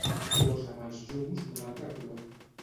Posa'm els llums d'un altre color.